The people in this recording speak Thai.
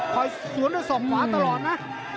คอยสวนด้วยศอกขวาตลอดนะ